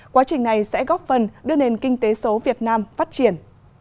quá trình này sẽ góp phần đưa nền kinh tế số việt nam phát triển